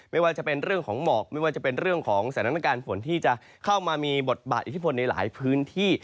ไม่ว่าจะเป็นเรื่องของหมอกไม่ว่าจะเป็นเรื่องของสถานการณ์ฝนที่จะเข้ามามีบทบาทอิทธิพลในหลายพื้นที่